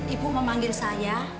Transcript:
ibu memanggil saya